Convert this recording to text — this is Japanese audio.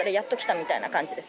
みたいな感じです。